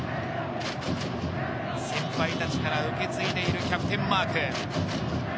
先輩たちから受け継いでいるキャプテンマーク。